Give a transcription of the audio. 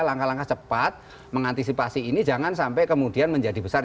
langkah langkah cepat mengantisipasi ini jangan sampai kemudian menjadi besar